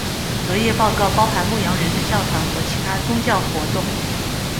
隔夜报告包含“牧羊人的教堂”和其它宗教活动。